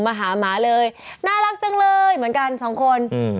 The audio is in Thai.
มาหาหมาเลยน่ารักจังเลยเหมือนกันสองคนอืม